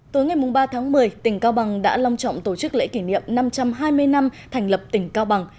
tối ngày ba tháng một mươi tỉnh cao bằng đã long trọng tổ chức lễ kỷ niệm năm trăm hai mươi năm thành lập tỉnh cao bằng